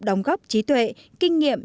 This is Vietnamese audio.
đóng góp trí tuệ kinh nghiệm